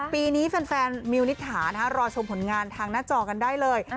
ปีนี้แฟนมิวนิษฐารอชมผลงานทางหน้าจอกันได้เลย